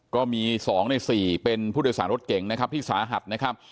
ก็มี๒ใน๔เป็นผู้โดยสารรถเก่งนะครับที่สาหัสนะครับ